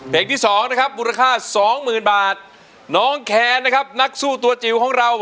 ที่สองนะครับมูลค่าสองหมื่นบาทน้องแคนนะครับนักสู้ตัวจิ๋วของเรา